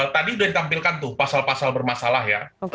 tadi sudah ditampilkan tuh pasal pasal bermasalah ya